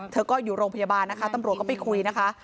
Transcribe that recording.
เธอก็อยู่โรงพยาบาลนะคะตำรวจก็ไปคุยนะคะ